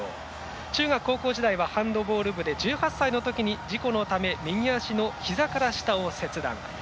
中学高校時代はハンドボール部で１８歳のときに事故のため右足のひざから下を切断。